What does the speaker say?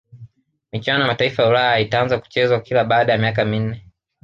michuano ya mataifa ya ulaya ikaanza kuchezwa kila baada ya miaka minne